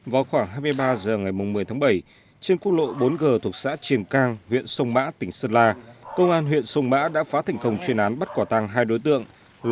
vào khoảng hai mươi ba h ngày một mươi tháng bảy trên quốc lộ bốn g thuộc xã triềm cang huyện sông mã tỉnh sơn la công an huyện sông mã đã phá thành công chuyên án bắt quả tăng hai đối tượng